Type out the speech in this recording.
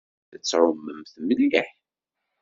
Tessnemt ad tɛumemt mliḥ?